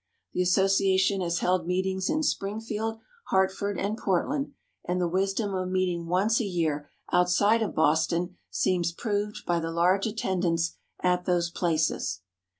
The association has held meetings in Springfield, Hartford and Portland, and the wisdom of meeting once a year outside of Boston seems proved by the large attendance at those places.